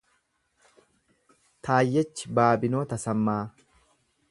Taayyech Baabinoo Tasammaa